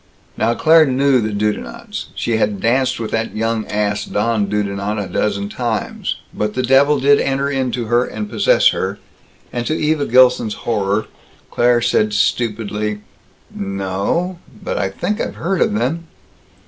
Now Claire knew the Dudenants. She had danced with that young ass Don Dudenant a dozen times. But the devil did enter into her and possess her, and, to Eva Gilson's horror, Claire said stupidly, "No o, but I think I've heard of them."